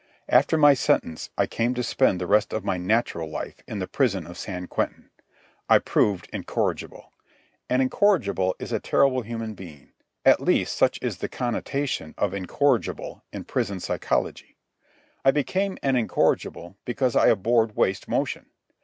After my sentence, I came to spend the rest of my "natural life" in the prison of San Quentin. I proved incorrigible. An incorrigible is a terrible human being—at least such is the connotation of "incorrigible" in prison psychology. I became an incorrigible because I abhorred waste motion.